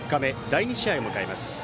第２試合を迎えます。